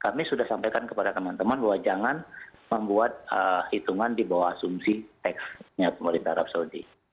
kami sudah sampaikan kepada teman teman bahwa jangan membuat hitungan di bawah asumsi teksnya pemerintah arab saudi